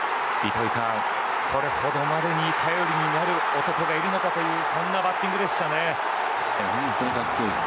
糸井さん、これほどまでに頼りになる男がいるのかというそんなバッティングでしたね。